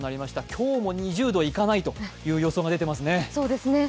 今日も２０度いかないという予想が出てますね。